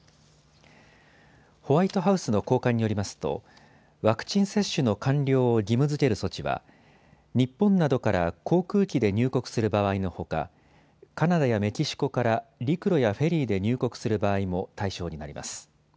ホワイトハウスの高官によりますとワクチン接種の完了を義務づける措置は日本などから航空機で入国する場合のほかカナダやメキシコから陸路やフェリーで入国する場合も対象になります。